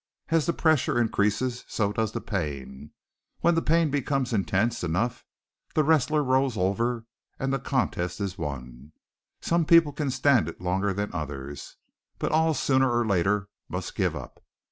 As the pressure increases, so does the pain. When the pain becomes intense enough, the wrestler rolls over and the contest is won. Some people can stand it longer than others; but all sooner or later must give up.